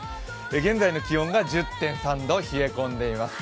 現在の気温が１０．３度、冷え込んでいます。